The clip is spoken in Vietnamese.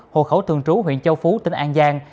hộ khẩu thường trú huyện châu phú tỉnh an giang